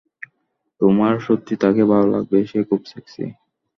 তোমার সত্যিই তাঁকে ভাল লাগবে, সে খুব সেক্সি।